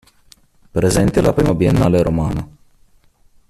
Presente alla I Biennale Romana.